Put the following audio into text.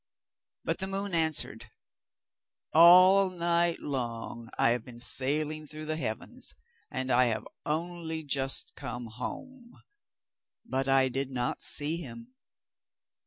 But the moon answered, 'All night long I have been sailing through the heavens, and I have only just come home; but I did not see him.